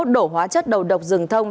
đổ hóa chất đầu độc rừng thông